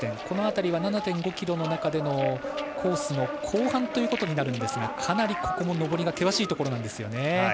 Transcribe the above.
この辺りは７．５ｋｍの中でコースの後半ということになるんですがかなりここも上りが険しいところ。